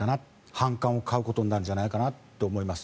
反感を買うことになるんじゃないかなと思います。